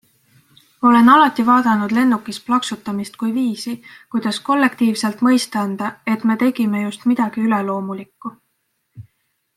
Olen alati vaadanud lennukis plaksutamist kui viisi, kuidas kollektiivselt mõista anda, et me tegime just midagi üleloomulikku.